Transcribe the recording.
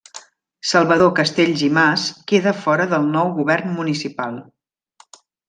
Salvador Castells i Mas queda fora del nou govern municipal.